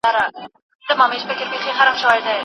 تاسو باید تل د حق او حقیقت ملګري اوسئ.